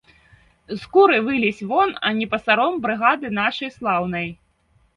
З скуры вылезь вон, а не пасаром брыгады нашай слаўнай.